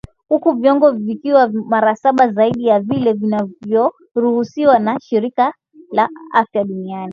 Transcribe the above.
huku viwango vikiwa mara saba zaidi ya vile vinavyoruhusiwa na shirika la afya duniani